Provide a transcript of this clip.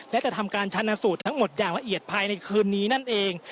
และจะทำการชนะสูตรทั้งหมดอย่างละเอียดภายในคืนนี้นั่นเอง